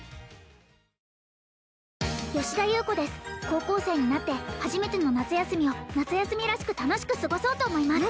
高校生になって初めての夏休みを夏休みらしく楽しく過ごそうと思います